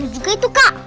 juga itu kak